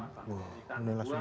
wah ini langsung manajemen ya